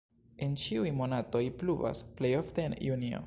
En ĉiuj monatoj pluvas, plej ofte en junio.